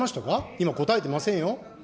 今、答えてませんよ。